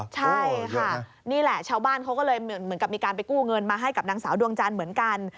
ใช่ค่ะนี่แหละชาวบ้านเขาก็เลยเหมือนกับมีการไปกู้เงินมาให้กับนางสาวดวงจันทร์เหมือนกัน